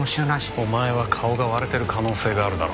お前は顔が割れてる可能性があるだろ。